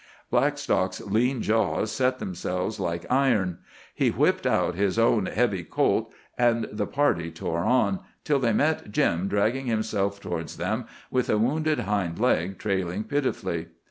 Blackstock's lean jaws set themselves like iron. He whipped out his own heavy "Colt's," and the party tore on, till they met Jim dragging himself towards them with a wounded hind leg trailing pitifully.